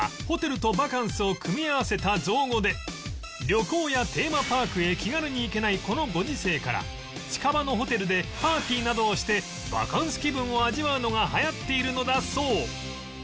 旅行やテーマパークへ気軽に行けないこのご時世から近場のホテルでパーティーなどをしてバカンス気分を味わうのが流行っているのだそう